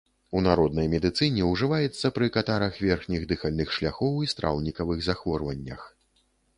У народнай медыцыне ўжываецца пры катарах верхніх дыхальных шляхоў і страўнікавых захворваннях.